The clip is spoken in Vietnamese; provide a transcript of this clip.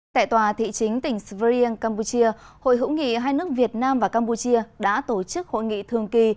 tại tòa thị chính tỉnh svrien campuchia hội hữu nghị hai nước việt nam và campuchia đã tổ chức hội nghị thường kỳ